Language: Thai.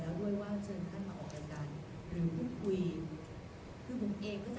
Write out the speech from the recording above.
เพราะว่าจริงท่านก็เป็นผู้ใหญ่นะคะเป็นผู้ใหญ่ทั้งบ้านเมือง